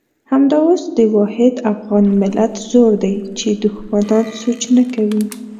همدا اوس د واحد افغان ملت زور دی چې دښمنان سوچ نه کوي.